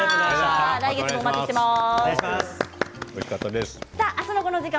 来月もお待ちしています。